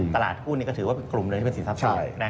ตลาดหุ้นก็ถือว่าเป็นกลุ่มหนึ่งที่เป็นสินทรัพย์